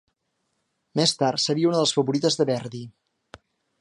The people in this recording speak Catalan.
Més tard seria una de les favorites de Verdi.